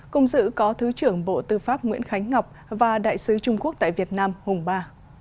cùng giữ có thứ trưởng bộ tư pháp nguyễn khánh ngọc và đại sứ trung quốc tại việt nam hùng ba